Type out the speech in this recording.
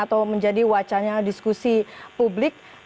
atau menjadi wacana diskusi publik